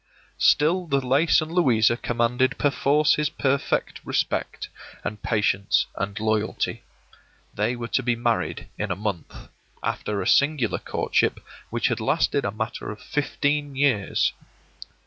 Still the lace and Louisa commanded perforce his perfect respect and patience and loyalty. They were to be married in a month, after a singular courtship which had lasted for a matter of fifteen years.